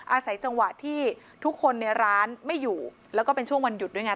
อาศัยจังหวะที่ทุกคนในร้านไม่อยู่แล้วก็เป็นช่วงวันหยุดด้วยไง